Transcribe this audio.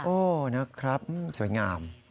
โอ้นะครับสวยงาม